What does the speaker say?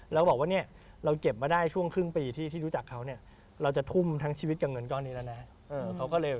แล้วบอกว่าเนี่ยเราเก็บมาได้ช่วงครึ่งปีที่รู้จักเขาเนี่ยเราจะทุ่มทั้งชีวิตกับเงินก้อนนี้แล้วนะ